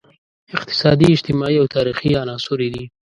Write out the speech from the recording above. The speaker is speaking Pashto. اقتصادي، اجتماعي او تاریخي عناصر یې دي.